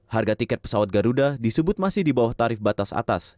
harga tiket pesawat garuda disebut masih di bawah tarif batas atas